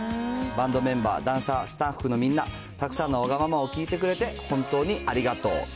バンドメンバー、ダンサー、スタッフのみんな、たくさんのわがままを聞いてくれて、本当にありがとう。